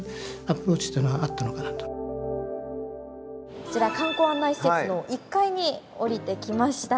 こちら観光案内施設の１階に下りてきました。